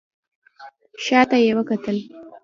شا ته يې وکتل.